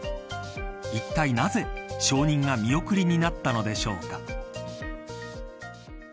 いったい、なぜ承認が見送りになったのでしょうか。